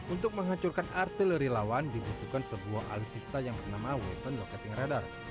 untuk menghancurkan artileri lawan dibutuhkan sebuah alutsista yang bernama weapon locating radar